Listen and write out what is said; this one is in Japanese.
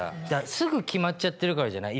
すぐ決まっちゃってるからじゃない？